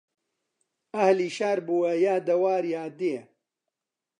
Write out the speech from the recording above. ئەهلی شار بووە یا دەوار یا دێ